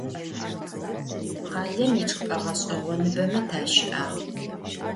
Khalem yiçç'ıp'e ğeş'eğonıbeme taşı'ağ.